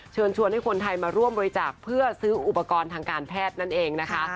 เชิญชวนให้คนไทยมาร่วมบริจาคเพื่อซื้ออุปกรณ์ทางการแพทย์นั่นเองนะคะ